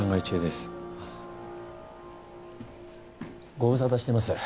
ご無沙汰してます